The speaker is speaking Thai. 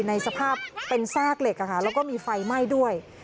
ในสภาพเป็นซากเหล็กแล้วก็มีไฟไหม้ด้วย